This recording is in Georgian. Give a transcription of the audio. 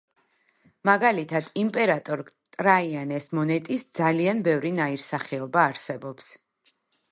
მაგალითად, იმპერატორ ტრაიანეს მონეტის ძალიან ბევრი ნაირსახეობა არსებობს.